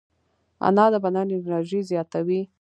انار د بدن انرژي زیاتوي.